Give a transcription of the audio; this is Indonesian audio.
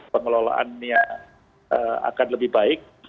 pengelolaannya akan lebih baik